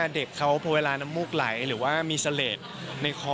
เด็กเขาพอเวลาน้ำมูกไหลหรือว่ามีเสลดในคอ